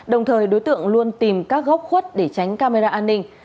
đồng thời đối tượng luôn tìm các góc khuất để tránh camera an ninh